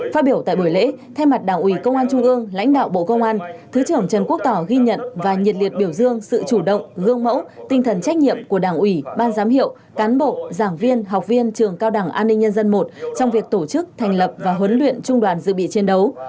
phát biểu tại buổi lễ thay mặt đảng ủy công an trung ương lãnh đạo bộ công an thứ trưởng trần quốc tỏ ghi nhận và nhiệt liệt biểu dương sự chủ động gương mẫu tinh thần trách nhiệm của đảng ủy ban giám hiệu cán bộ giảng viên học viên trường cao đẳng an ninh nhân dân i trong việc tổ chức thành lập và huấn luyện trung đoàn dự bị chiến đấu